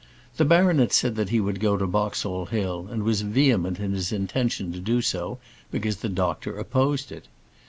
The baronet said that he would go to Boxall Hill, and was vehement in his intention to do so because the doctor opposed it.